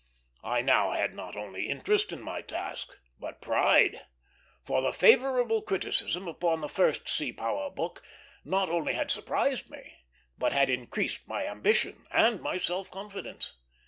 I now had not only interest in my task, but pride; for the favorable criticism upon the first sea power book not only had surprised me, but had increased my ambition and my self confidence.